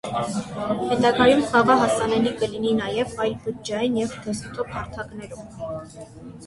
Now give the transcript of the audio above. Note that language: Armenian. Հետագայում խաղը հասանելի կլինի նաև այլ բջջային և դեսքթոփ հարթակներում։